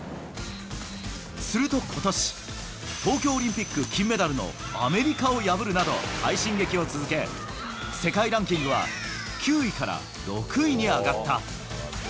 するとことし、東京オリンピック金メダルのアメリカを破るなど、快進撃を続け、世界ランキングは９位から６位に上がった。